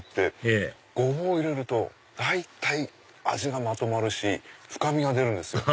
ええゴボウ入れると大体味がまとまるし深みが出るんですよ。